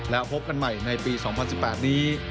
และพบกันใหม่ในปี๒๐๑๘นี้